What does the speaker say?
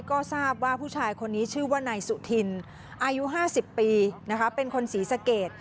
ก็ทราบว่าผู้ชายคนนี้ชื่อว่านายสุธินอายุ๕๐ปีเป็นคนศรีสเกต